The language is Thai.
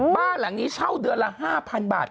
บ้านหลังนี้เช่าเดือนละ๕๐๐๐บาท